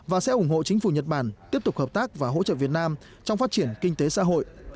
và sẽ ủng hộ chính phủ nhật bản tiếp tục hợp tác và hỗ trợ việt nam trong phát triển kinh tế xã hội